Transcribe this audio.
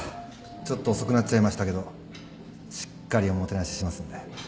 ちょっと遅くなっちゃいましたけどしっかりおもてなししますんで。